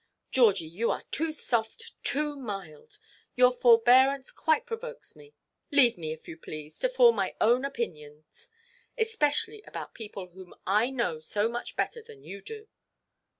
Georgie, you are too soft, too mild. Your forbearance quite provokes me. Leave me, if you please, to form my own opinions, especially about people whom I know so much better than you do."